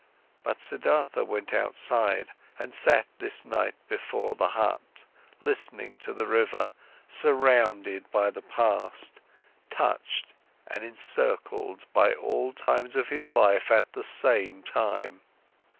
But Siddhartha went outside and sat this night before the hut, listening to the river, surrounded by the past, touched and encircled by all times of his life at the same time.